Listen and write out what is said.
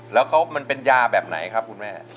แล้วมันเป็นยาแบบไหนครับคุณแม่